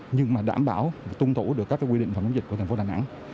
nhưng mà đảm bảo tuân thủ được các quy định phản ánh dịch của thành phố đà nẵng